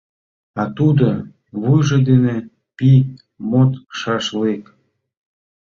А тудо, вуйжо дене пий модшашлык...